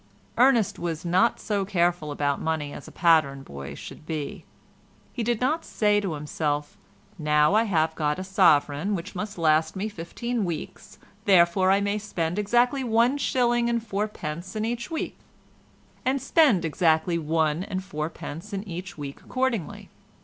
Ernest was not so careful about money as a pattern boy should be. He did not say to himself, "Now I have got a sovereign which must last me fifteen weeks, therefore I may spend exactly one shilling and fourpence in each week"—and spend exactly one and fourpence in each week accordingly.